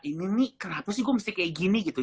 ini nih kenapa sih gue mesti kayak gini gitu